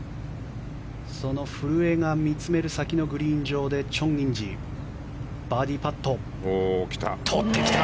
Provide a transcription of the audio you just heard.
その古江が見つめる先のグリーン上でチョン・インジバーディーパットとってきた！